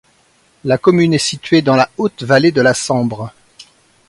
La commune est située dans la haute vallée de la Sambre.